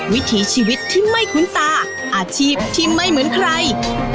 วิถีชีวิตที่ไม่คุ้นตาอาชีพที่ไม่เหมือนใคร